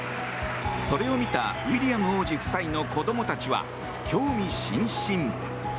それを見たウィリアム王子夫妻の子供たちは興味津々。